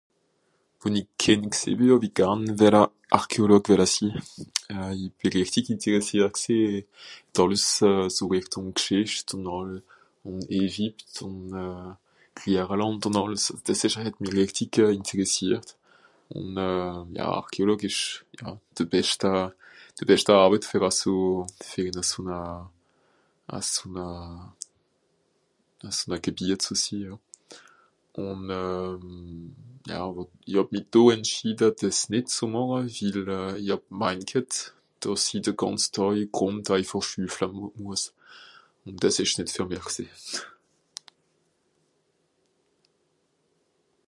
Wo-n-i Kìnd gsìì bì hàw-i garn wìlla Archéologue wìlla sii. I bì richtig so Interressiert gsìì d'àlles so rìchtùng Gschìcht ùn àll ùn Egypte ùn Irlànd ùn àlles. Ùn dìs het mi rìchtig ìnterresiert. Ùn euh... ja Achéologue ìsch ja de beschta... de beschta Àrwet fer aso fer ìn aso-n-a... aso-n-a Gebiet ze sìì, ja. Ùn euh... ja àwer... i hàb mi do entschieda dìs nìt ze màche wil euh... i hàb gmeint ghet, dàss i de gànz Dàj Grùnd eifàch schüffla muas. Ùn dìs ìsch nìt fer mìch gsìì.